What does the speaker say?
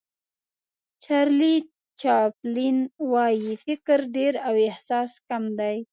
چارلي چاپلین وایي فکر ډېر او احساس کم دی.